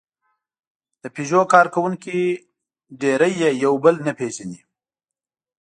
د پيژو کارکوونکي ډېری یې یو بل نه پېژني.